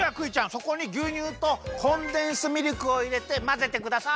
そこにぎゅうにゅうとコンデンスミルクをいれてまぜてください。